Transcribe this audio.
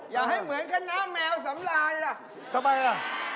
อย่าให้เหมือนคณะแมวสำลายล่ะทำไมล่ะ